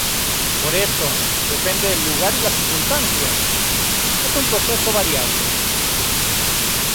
Por eso, depende del lugar y de las circunstancias, es un proceso variable.